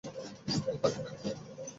কিন্তু বাকিদের কী?